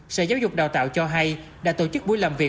sở giáo dục đào tạo cho hay đã tổ chức buổi làm việc